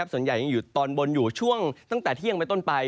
ส่วนใหญ่อยู่ตอนบนตั้งแต่เที่ยงไปต้นไป